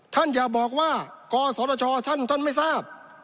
อย่าบอกว่ากศชท่านท่านไม่ทราบ